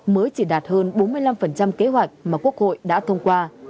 mới chỉ đạt hơn bốn mươi năm kế hoạch mà quốc hội đã thông qua